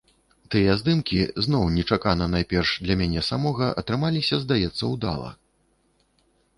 Тыя здымкі зноў нечакана найперш для мяне самога атрымаліся, здаецца, удала.